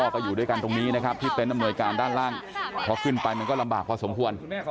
คุณแม่ขอบคุณเจ้าด้วยที่แล้ว